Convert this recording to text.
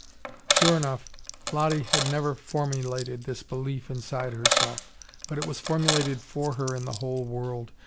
Sure enough, Lottie had never formulated this belief inside herself. But it was formulated for her in the whole world.